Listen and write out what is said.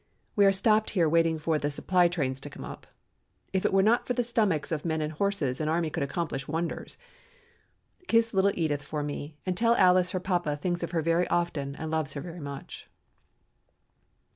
We are stopped here waiting for the supply trains to come up. If it were not for the stomachs of men and horses an army could accomplish wonders. Kiss little Edith for me and tell Alice her papa thinks of her very often and loves her very much."